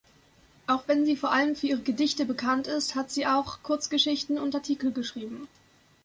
Auch wenn sie vor allem für ihre Gedichte bekannt ist, hat sie auch Kurzgeschichten und Artikel geschrieben.